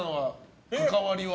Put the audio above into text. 関わりは。